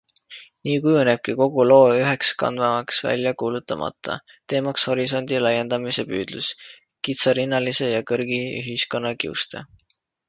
Nii kujunebki kogu loo üheks kandvamaks väljakuulutamata teemaks horisondi laiendamise püüdlus kitsarinnalise ja kõrgi ühiskonna kiuste.